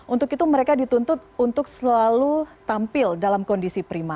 untuk itu mereka dituntut untuk selalu tampil dalam kondisi prima